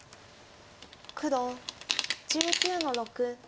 黒１９の六。